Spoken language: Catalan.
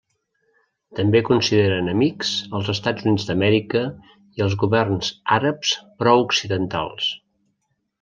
També considera enemics els Estats Units d'Amèrica i els governs àrabs prooccidentals.